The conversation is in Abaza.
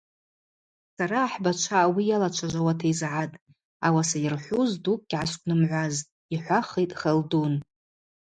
Сара ахӏбачва ауи йалачважвауата йызгӏатӏ, ауаса йырхӏвуз дукӏ гьгӏасгвнымгӏвуазтӏ, – йхӏвахитӏ Халдун.